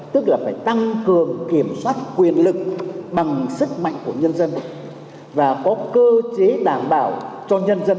tức là phải tăng cường kiểm soát quyền lực bằng sức mạnh của nhân dân và có cơ chế đảm bảo cho nhân dân